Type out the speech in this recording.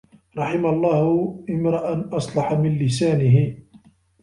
رَحِمَ اللَّهُ امْرَأً أَصْلَحَ مِنْ لِسَانِهِ